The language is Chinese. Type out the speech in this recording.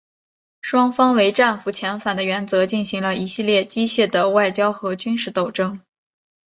双方为战俘遣返的原则进行了一系列激烈的外交和军事斗争。